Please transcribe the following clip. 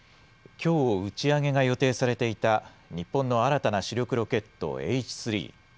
きょう打ち上げが予定されていた、日本の新たな主力ロケット、Ｈ３。